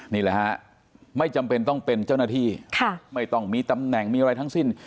นี่แหละฮะไม่จำเป็นต้องเป็นเจ้าหน้าที่ไม่ต้องมีตำแหน่งมีอะไรทั้งสิ้น